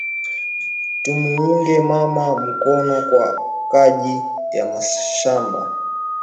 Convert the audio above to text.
Tu muunge mama mukono kwa kaji ya mashamba